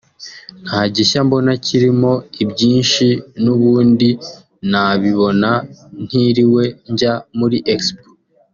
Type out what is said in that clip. nta gishya mbona kirimo ibyinshi n’ubundi nabibona ntiriwe njya muri Expo